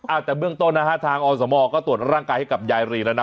อ่าแต่เบื้องต้นนะฮะทางอสมก็ตรวจร่างกายให้กับยายรีแล้วนะ